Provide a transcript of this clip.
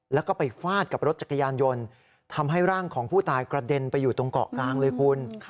แล้วก็ไปฟาดกับรถจักรยานยนต์ทำให้ร่างของผู้ตายกระเด็นไปอยู่ตรงเกาะกลางเลยคุณ